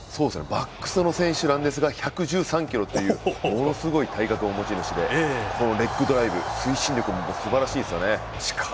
バックスの選手なんですが１１３ｋｇっていうものすごい体格の持ち主でレッグドライブ、推進力もすばらしいですよね。